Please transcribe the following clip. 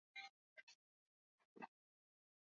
na hutumika kwa kuvutwa puani kama unga